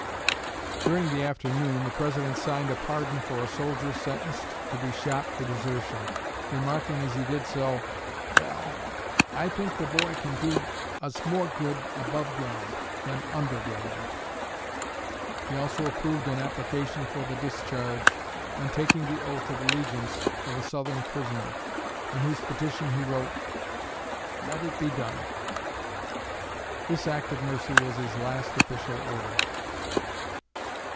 '" During the afternoon the President signed a pardon for a soldier sentenced to be shot for desertion; remarking, as he did so, "Well, I think the boy can do us more good above ground than under ground." He also approved an application for the discharge, on taking the oath of allegiance, of a Southern prisoner, on whose petition he wrote, "Let it be done." This act of mercy was his last official order.